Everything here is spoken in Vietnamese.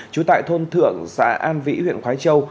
trú tại thôn thượng xã an vĩ huyện khói châu